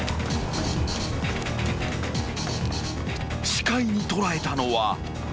［視界に捉えたのは］